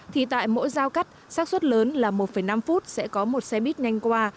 thì tại mỗi giao cắt sát xuất lớn là một năm phút sẽ có một xe buýt nhanh qua